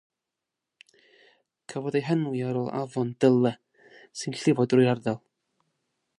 Cafodd ei henwi ar ôl afon Dyle, sy'n llifo drwy'r ardal.